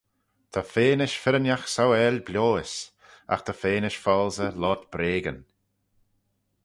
Ta feanish firrinagh sauail bioys: agh ta feanish foalsey loayrt breagyn.